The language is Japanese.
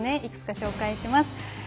いくつか紹介します。